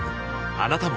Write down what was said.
あなたも